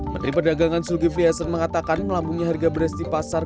menteri perdagangan zulkifli hasan mengatakan melambungnya harga beras di pasar